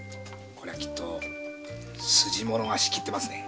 きっと筋者が仕切ってますね。